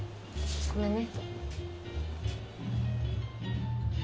ごめんね。